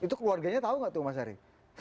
itu keluarganya tau gak tuh mas ari